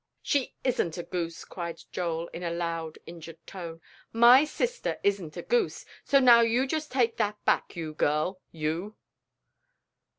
"She isn't a goose," cried Joel, in a loud, injured tone; "my sister isn't a goose; so now you just take that back, you girl, you!"